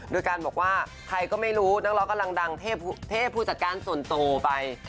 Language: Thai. ด้วยการบอกว่าใครก็ไม่รู้น้องเราก็ลังเทผู้จัดการส่วนตัวไป